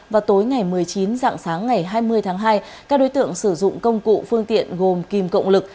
vào tối ngày một mươi chín dạng sáng ngày hai mươi tháng hai các đối tượng sử dụng công cụ phương tiện gồm kim cộng lực